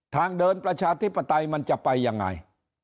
ทางเดินประชาธิปไตยมันจะไปยังไง